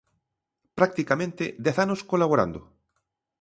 Practicamente dez anos colaborando.